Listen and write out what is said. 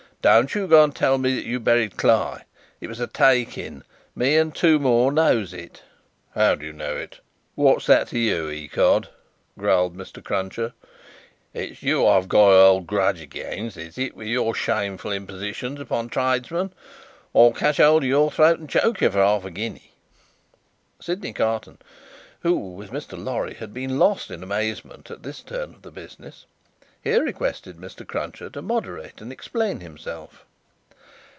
Don't go and tell me that you buried Cly. It was a take in. Me and two more knows it." "How do you know it?" "What's that to you? Ecod!" growled Mr. Cruncher, "it's you I have got a old grudge again, is it, with your shameful impositions upon tradesmen! I'd catch hold of your throat and choke you for half a guinea." Sydney Carton, who, with Mr. Lorry, had been lost in amazement at this turn of the business, here requested Mr. Cruncher to moderate and explain himself.